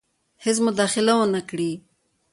هیڅ مداخله ونه کړي.